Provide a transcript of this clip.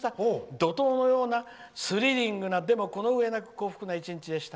怒とうのようなスリリングなでも、このうえなく幸福な１日でした。